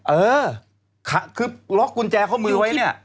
เออคือล็อกกุญแจเขามือไว้